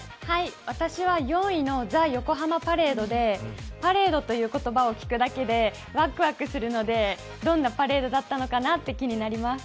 私は４位のザよこはまパレードで、パレードという言葉を聞くだけでワクワクするので、どんなパレードだったのかなって気になります。